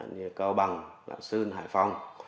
như cao bằng lạp sơn hải phòng